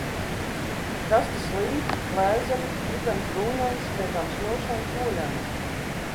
Krasti slīpi, lēzeni, dibens dūņains, vietām smilšains, oļains.